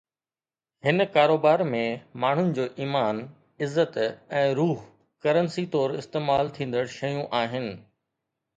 هن ڪاروبار ۾، ماڻهن جو ايمان، عزت ۽ روح ڪرنسي طور استعمال ٿيندڙ شيون آهن.